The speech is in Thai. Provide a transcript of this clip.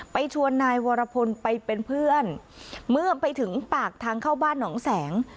ไปชวนนายวรพลไปเป็นเพื่อนเมื่อไปถึงปากทางเข้าบ้านหนองแสง